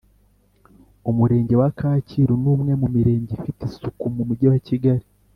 Umurenge wa kacyiru numwe mu mirenge ifite isuku mu mujyi wa kigali